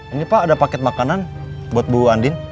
ini pak ada paket makanan buat bu andin